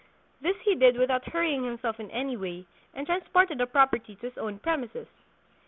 This he did without hurrying himself in any way, and transported the property to his own premises.